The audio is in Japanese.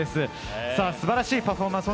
素晴らしいパフォーマンス